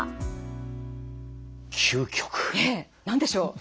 ええ。何でしょう？